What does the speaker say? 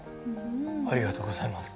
ありがとうございます。